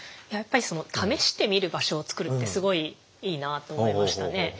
やっぱり試してみる場所を作るってすごいいいなあと思いましたね。